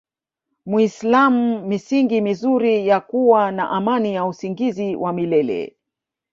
muislam misingi mizuri ya kua na amani ya usingizi wa milele